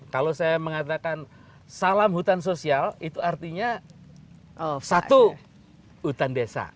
kalau saya mengatakan salam hutan sosial itu artinya satu hutan desa